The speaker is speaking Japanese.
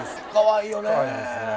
かわいいよねぇ。